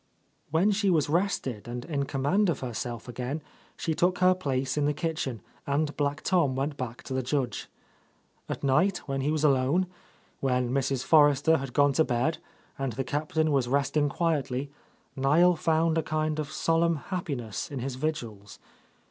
When she was rested and in command of her self again, she took her place in the kitchen, and Black Tom went back to the Judge. At night, when he was alone, when Mrs. For rester had gone to bed and the Captain was rest ing quietly, Niel found a kind of solemn happiness in his vigils.